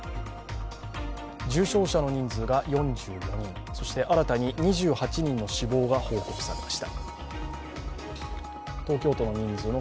重症者の人数が４５人、そして新たに２８人の死亡が報告されました。